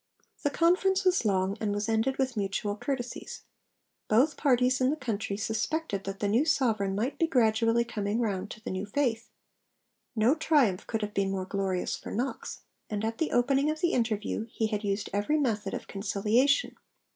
The conference was long, and was ended with mutual courtesies. Both parties in the country suspected that the new sovereign might be gradually coming round to the new faith. No triumph could have been more glorious for Knox, and at the opening of the interview he had used every method of conciliation.